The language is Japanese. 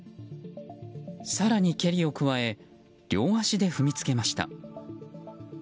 更に蹴りを加え両足で踏みつけました。